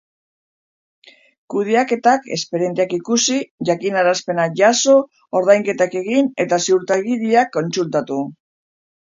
Kudeaketak: Espedienteak ikusi, jakinarazpenak jaso, ordainketak egin eta ziurtagiriak kontsultatu